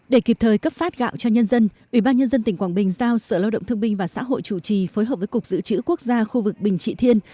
để kịp thời cấp phát gạo cho nhân dân ủy ban nhân dân tỉnh quảng bình giao sở lao động thương binh và xã hội chủ trì phối hợp với cục dự trữ quốc gia khu vực bình trị thiên